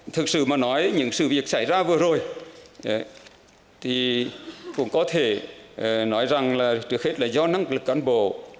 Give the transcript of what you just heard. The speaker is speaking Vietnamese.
thực sự mà nói những sự việc xảy ra vừa rồi thì cũng có thể nói rằng là trước hết là do năng lực cán bộ